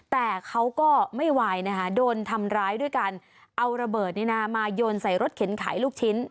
แต่เขาก็ไม่ไหวนะคะโดนทำร้ายด้วยการเอาระเบิดมาโยนใส่รถเข็นขายลูกชิ้น